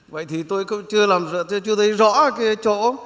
vậy thì tôi chưa thấy rõ cái chỗ